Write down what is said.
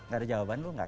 gak ada jawaban lo gak